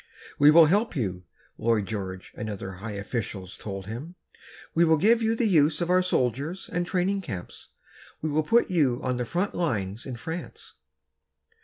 "We will help you," Lloyd George and other high officials told him. "We will give you the use of our soldiers and training camps; we will put you on the front lines in France."